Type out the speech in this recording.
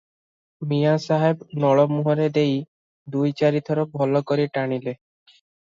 ମିଆଁ ସାହାବ ନଳ ମୁହଁରେ ଦେଇ ଦୁଇ ଚାରି ଥର ଭଲ କରି ଟାଣିଲେ ।